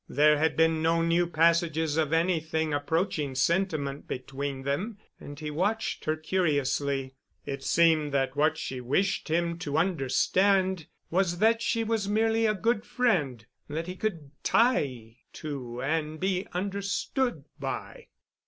There had been no new passages of anything approaching sentiment between them and he watched her curiously. It seemed that what she wished him to understand was that she was merely a good friend that he could tie to and be understood by.